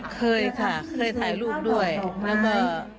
เคยค่ะเคยถ่ายรูปด้วยแล้วก็